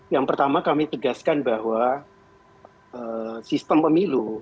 yang pertama kami tegaskan bahwa sistem pemilu